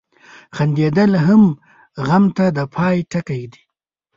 • خندېدل هر غم ته د پای ټکی ږدي.